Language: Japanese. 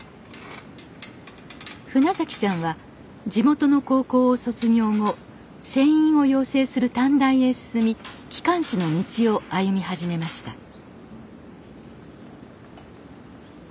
船さんは地元の高校を卒業後船員を養成する短大へ進み機関士の道を歩み始めました